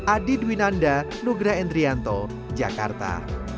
adi dwinanda nugra endrianto jakarta